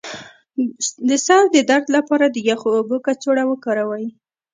د سر د درد لپاره د یخو اوبو کڅوړه وکاروئ